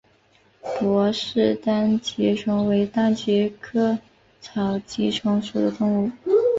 傅氏单极虫为单极科单极虫属的动物。